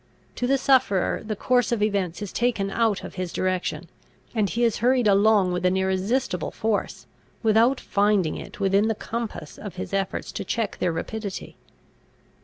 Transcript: To the sufferer the course of events is taken out of his direction, and he is hurried along with an irresistible force, without finding it within the compass of his efforts to check their rapidity.